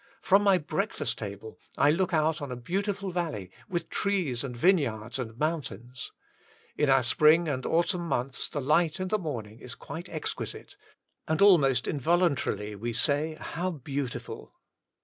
From my breakfast table I look out on a beautiful valley, with trees and vineyards and mountains. In our spring and autumn months the light in the morning is exquisite, and almost 6 8a WAITING ON GODt involuntarily we say, How beautiful